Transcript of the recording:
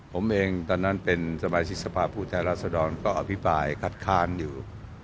ผมเองตอนนั้นเป็นสมัยศิษภาพภูเทศรัสดรก็อภิบายขัดคานอยู่